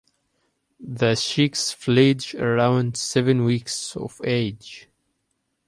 The chicks fledge around seven weeks of age.